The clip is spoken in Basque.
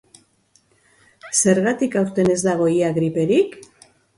Zergatik aurten ez dago ia griperik?